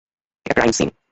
এটা crime scene.